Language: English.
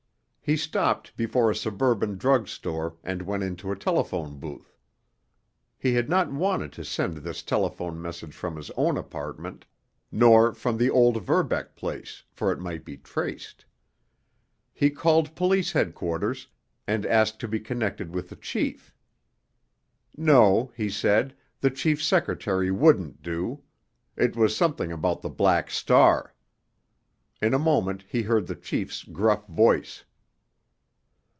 He stopped before a suburban drug store and went into a telephone booth. He had not wanted to send this telephone message from his own apartment nor from the old Verbeck place, for it might be traced. He called police headquarters, and asked to be connected with the chief. No, he said, the chief's secretary wouldn't do. It was something about the Black Star. In a moment he heard the chief's gruff voice.